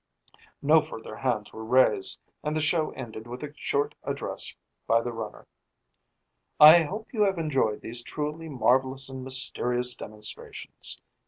No further hands were raised and the show ended with a short address by the runner: "I hope you have enjoyed these truly marvelous and mysterious demonstrations.